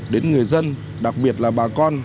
đến người dân đặc biệt là bà con